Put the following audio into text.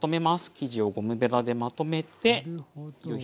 生地をゴムべらでまとめてよいしょ。